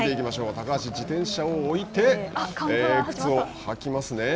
高橋、自転車を置いて履きますね。